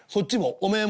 「おめえも？」。